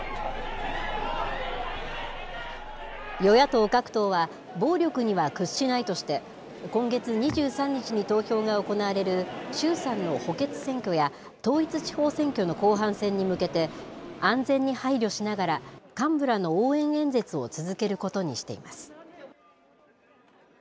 与野党各党は、暴力には屈しないとして、今月２３日に投票が行われる衆参の補欠選挙や統一地方選挙の後半戦に向けて、安全に配慮しながら、幹部らの応援演説を続けることにしています。